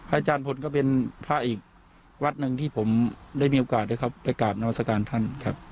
อาจารย์พลก็เป็นพระอีกวัดหนึ่งที่ผมได้มีโอกาสได้เข้าไปกราบนาวัศกาลท่านครับ